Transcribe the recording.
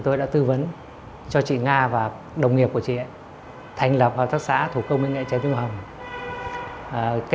tôi đã tư vấn cho chị nga và đồng nghiệp của chị thành lập hợp tác xã thủ công mỹ nghệ trái tim hồng